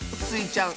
ちゃん